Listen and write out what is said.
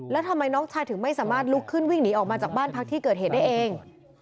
แล้วทำไมน้องชายถึงไม่สามารถลุกขึ้นวิ่งหนีออกมาจากบ้านพักที่เกิดเหตุได้เอง